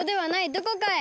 どこかへ。